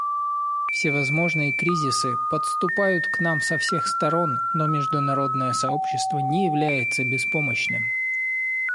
Всевозможные кризисы подступают к нам со всех сторон, но международное сообщество не является беспомощным.